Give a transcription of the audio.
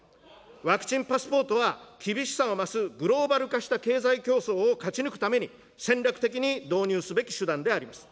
ワクチンパスポートは厳しさを増すグローバル化した経済競争を勝ち抜くために、戦略的に導入すべき手段であります。